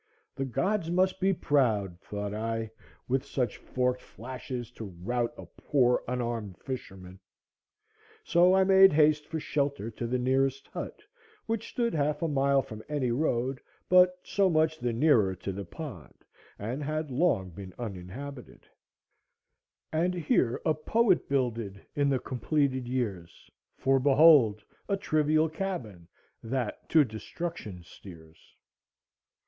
The gods must be proud, thought I, with such forked flashes to rout a poor unarmed fisherman. So I made haste for shelter to the nearest hut, which stood half a mile from any road, but so much the nearer to the pond, and had long been uninhabited:— "And here a poet builded, In the completed years, For behold a trivial cabin That to destruction steers."